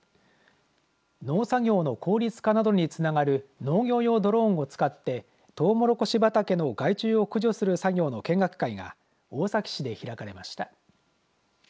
農作業の効率化などにつながる農業用ドローンを使ってトウモロコシ畑の害虫を駆除する作業の見学会が大崎市で開かれました。